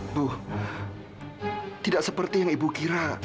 tuh tidak seperti yang ibu kira